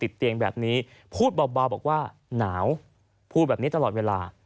เตียงแบบนี้พูดเบาบอกว่าหนาวพูดแบบนี้ตลอดเวลา